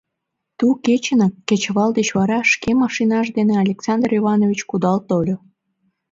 Ту кечынак, кечывал деч вара, шке машинаж дене Александр Иванович кудал тольо.